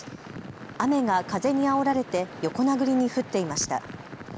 雨が風にあおられて横殴りに降っていました。